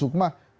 itu dari ibu sukma